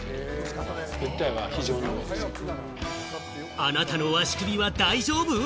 あなたの足首は大丈夫？